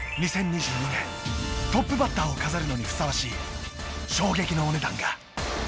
２０２２年トップバッターを飾るのにふさわしい衝撃のお値段が。